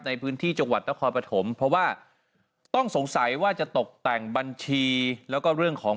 ในพื้นที่จังหวัดนครปฐมเพราะว่าต้องสงสัยว่าจะตกแต่งบัญชีแล้วก็เรื่องของ